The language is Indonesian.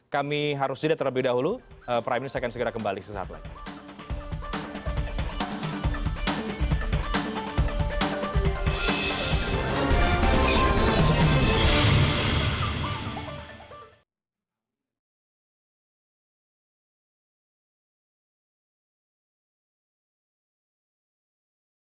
kami harus sudah terlebih dahulu prime news akan segera kembali sesaat lain